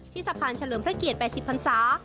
สะพานเฉลิมพระเกียรติ๘๐พันศา